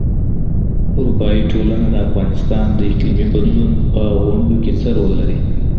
اروپایي ټولنه د افغانستان د اقلیمي بدلون په غونډو کي څه رول لري؟